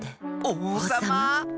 おうさま？